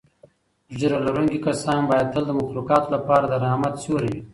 ږیره لرونکي کسان باید تل د مخلوقاتو لپاره د رحمت سیوری وي.